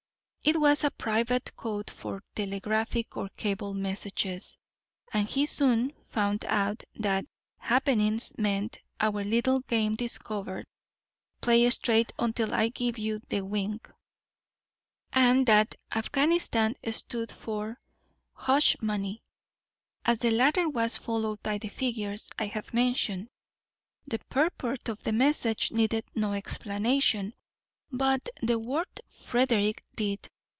It was a private code for telegraphic or cable messages, and he soon found that "Happenings" meant: "Our little game discovered; play straight until I give you the wink." And that "Afghanistan" stood for: "Hush money." As the latter was followed by the figures I have mentioned, the purport of the message needed no explanation, but the word "Frederick" did.